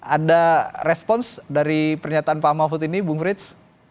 ada respons dari pernyataan pak mahfud ini bung frits